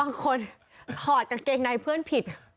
บางคนถอดกางเกงในเพื่อนผิด